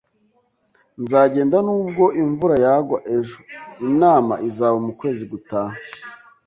Nzagenda nubwo imvura yagwa ejo Inama izaba mu kwezi gutaha.